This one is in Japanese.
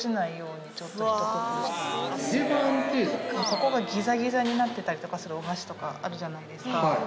ここがギザギザになってたりするお箸とかあるじゃないですか。